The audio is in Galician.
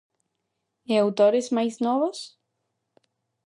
E autores máis novos?